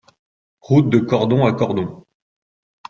Route de Cordon à Cordon